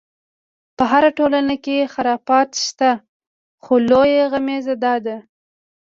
په هره ټولنه کې خرافات شته، خو لویه غمیزه دا ده.